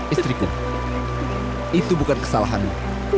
istriku itu bukan kesalahanmu